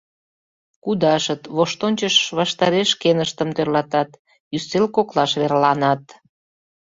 Кудашыт, воштончыш ваштареш шкеныштым тӧрлатат, ӱстел коклаш верланат.